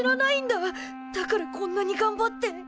だからこんなにがんばって。